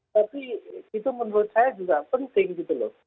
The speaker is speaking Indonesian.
tapi itu menurut saya juga penting gitu loh